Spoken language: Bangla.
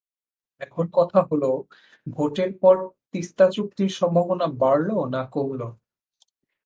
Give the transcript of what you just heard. এখন কথা হলো ভোটের পরে তিস্তা চুক্তির সম্ভাবনা বাড়ল না কমল?